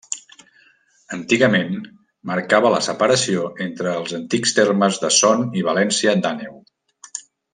Antigament marcava la separació entre els antics termes de Son i València d'Àneu.